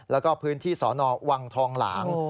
แล้วก็พื้นที่สนวังทองหลาง